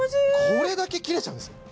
これだけ切れちゃうんですよ